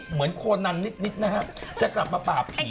เหมือนโคนันนิดนะฮะจะกลับมาปาบผี